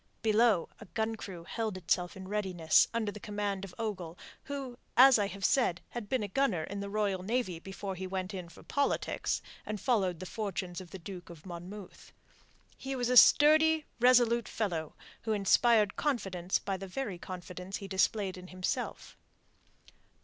Below, a gun crew held itself in readiness under the command of Ogle, who as I have said had been a gunner in the Royal Navy before he went in for politics and followed the fortunes of the Duke of Monmouth. He was a sturdy, resolute fellow who inspired confidence by the very confidence he displayed in himself.